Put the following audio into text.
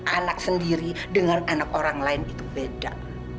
anak sendiri dengan anak orang lain itu beda